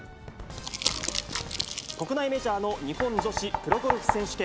国内メジャーの日本女子プロゴルフ選手権。